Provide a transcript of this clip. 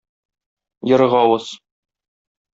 Ерык авыз.